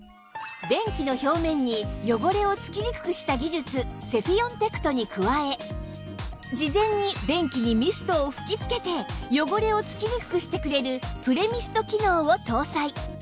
便器の表面に汚れを付きにくくした技術セフィオンテクトに加え事前に便器にミストを吹き付けて汚れを付きにくくしてくれるプレミスト機能を搭載